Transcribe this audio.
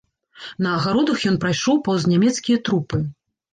На агародах ён прайшоў паўз нямецкія трупы.